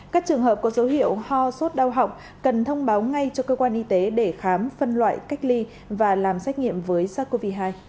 các trường hợp có dấu hiệu ho sốt đau họng cần thông báo ngay cho cơ quan y tế để khám phân loại cách ly và làm xét nghiệm với sars cov hai